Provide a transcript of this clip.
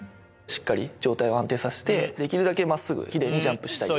しっかり上体を安定させて、できるだけまっすぐ、きれいにジャンプしたい。